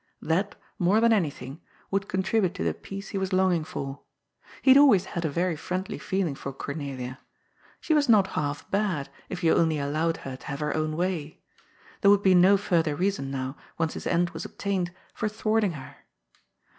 That, more than anything, would contribute to the peace he was longing for. He had always had a very friendly feeling for Cornelia. She was not half bad, if you only allowed her to have her own way. There would be no further reason now, once his end was obtained, for thwarting her.